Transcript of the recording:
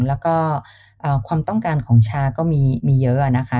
แล้วก็ความต้องการของชาก็มีเยอะนะคะ